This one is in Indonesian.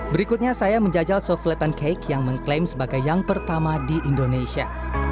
berikutnya saya menjajal sofle pancake yang mengklaim sebagai yang pertama di indonesia